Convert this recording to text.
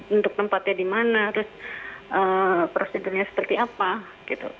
untuk tempatnya di mana terus prosedurnya seperti apa gitu